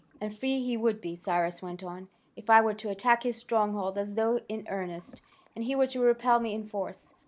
"And free he would be," Cyrus went on, "if I were to attack his strongholds as though in earnest, and he were to repel me in force.